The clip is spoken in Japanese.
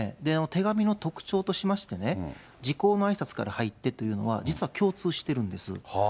手紙の特徴としましてね、時候のあいさつから入ってというのは、実は共通してるんです。